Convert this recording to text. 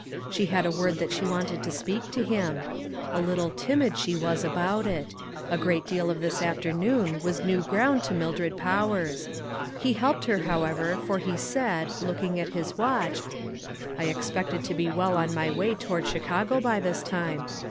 She had a word that she wanted to speak to him. A little timid she was about it. A great deal of this afternoon was new ground to Mildred Pow ers. He helped her, however, for he said, looking at his watch :" I expected to be well on my way to ward Chicago by this time.